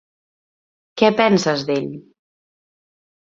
Què penses d'ell?